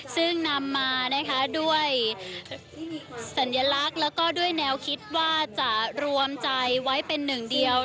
ซึ่งนำมานะคะด้วยสัญลักษณ์แล้วก็ด้วยแนวคิดว่าจะรวมใจไว้เป็นหนึ่งเดียว